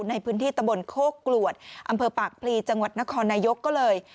ในพื้นที่ตะบนโคกกลวดอำเภอปากพลีจังหวัดนครนายกก็เลย